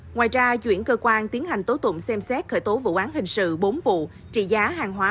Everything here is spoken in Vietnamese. ngoài ra chuyển cơ quan tiến hành tố tụng xem xét khởi tố vụ án hình sự bốn vụ trị giá hàng hóa